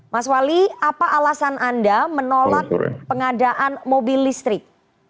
mas wali apa alasan anda menolak pengadaan mobil listrik